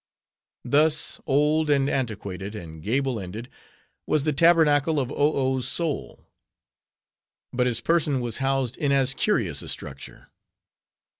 Thus old, and antiquated, and gable ended, was the tabernacle of Oh Oh's soul. But his person was housed in as curious a structure.